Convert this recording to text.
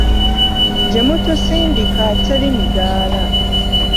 Gye mutusindika teri midaala.